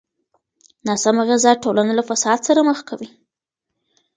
ناسمه غذا ټولنه له فساد سره مخ کوي.